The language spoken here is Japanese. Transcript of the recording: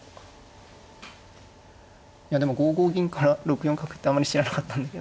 いやでも５五銀から６四角ってあまり知らなかったんで。